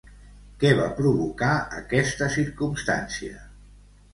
Què va provocar aquesta circumstància?